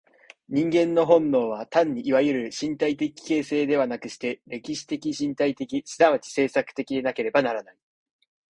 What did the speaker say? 人間の本能は単にいわゆる身体的形成ではなくして、歴史的身体的即ち制作的でなければならない。